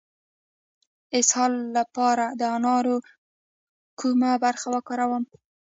د اسهال لپاره د انارو کومه برخه وکاروم؟